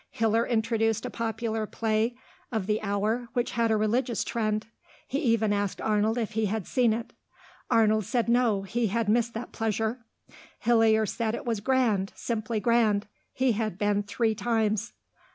Hillier introduced a popular play of the hour which had a religious trend. He even asked Arnold if he had seen it. Arnold said no, he had missed that pleasure. Hillier said it was grand, simply grand; he had been three times.